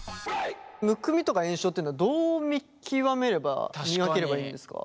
むくみとか炎症っていうのはどう見極めれば見分ければいいんですか？